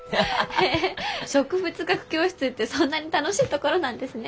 へえ植物学教室ってそんなに楽しいところなんですね。